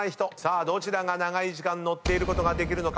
どちらが長い時間乗っていることができるのか。